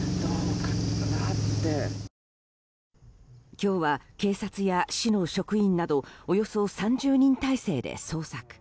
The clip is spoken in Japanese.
今日は、警察や市の職員などおよそ３０人態勢で捜索。